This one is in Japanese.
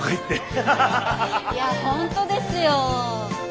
いや本当ですよ。